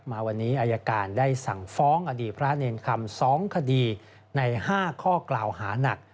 มาวันนี้อายการได้สั่งฟ้องอดีตพระเนรคำ๒คดีใน๕ข้อกล่าวหานัก